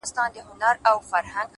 صادق زړه کمې پښېمانۍ لري’